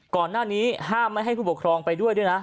ก่อนหน้านี้ห้ามไม่ให้ผู้ปกครองไปด้วยด้วยนะ